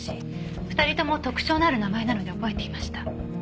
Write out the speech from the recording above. ２人とも特徴のある名前なので覚えていました。